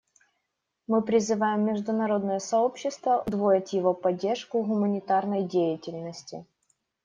Мы призываем международное сообщество удвоить его поддержку гуманитарной деятельности.